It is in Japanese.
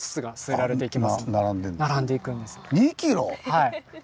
はい。